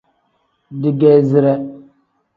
Digeezire.